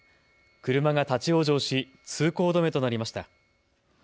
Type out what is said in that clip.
車が立往生し通行止めとなりました。